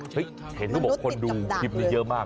เห้ยเห็นทุกคนบอกว่าคนดูคลิปนี้เยอะมาก